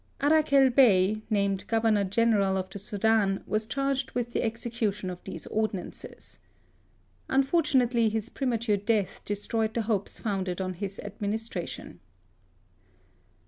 Arakel Bey, named governor general of the Soudan, was charged with the execution of these ordinances. Unfortunately, his pre mature death destroyed the hopes founded on his administration.